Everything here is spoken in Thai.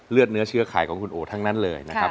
เนื้อเชื้อไขของคุณโอทั้งนั้นเลยนะครับ